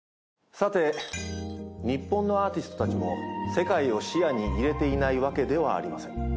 さて日本のアーティストたちも世界を視野に入れていないわけではありません。